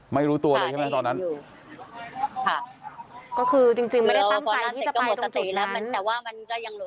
ไม่รู้ตัวเลยใช่ไหมตอนนั้นค่ะก็คือจริงหนูอยู่ตรงจุดตอนนั้น